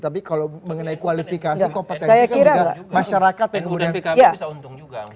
tapi kalau mengenai kualifikasi kompetensi juga masyarakat yang berguna